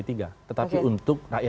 tetapi untuk rakyat indonesia